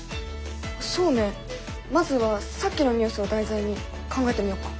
そうねまずはさっきのニュースを題材に考えてみよっか。